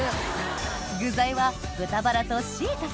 具材は豚バラとしいたけ